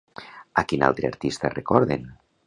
A quin altre artista recorden?